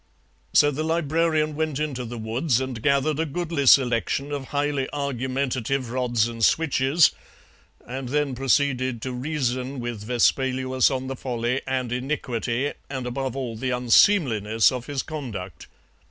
"So the Librarian went into the woods and gathered a goodly selection of highly argumentative rods and switches, and then proceeded to reason with Vespaluus on the folly and iniquity and above all the unseemliness of his conduct.